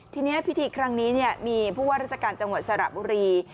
ทีนี้พิธีครั้งนี้มีผู้ว่าราชการจังหวัดสระบุรี